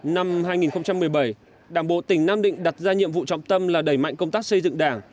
năm hai nghìn một mươi bảy đảng bộ tỉnh nam định đặt ra nhiệm vụ trọng tâm là đẩy mạnh công tác xây dựng đảng